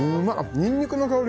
にんにくの香り